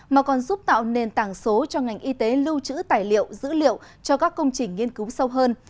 mà còn giúp tạo nền tảng số cho ngành y tế lưu trữ tài liệu dữ liệu cho các công trình nghiên cứu sâu hơn